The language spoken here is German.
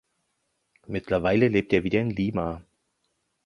Mittlerweile lebt er wieder in Lima.